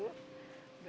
ya allah lu